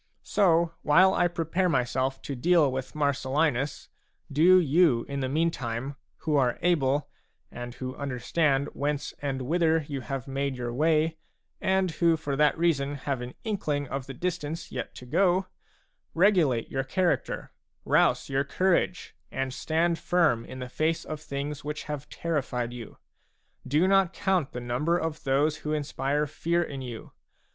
So while I prepare myself to deal with Marcellinus, do you in the meantime, who are able, and who understand whence and whither you have made your way, and who for that reason have an inkling of the distance yet to go, regulate your character, rouse your courage, and stand firm in the face of things which have terrified you. Do not count the number of those who inspire fear in you.